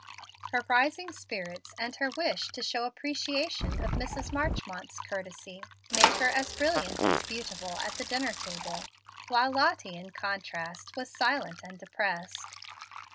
Her rising spirits, and her wish to show appreciation of Mrs. Marchmont's courtesy, made her as brilliant as beautiful at the dinner table, while Lottie, in contrast, was silent and depressed.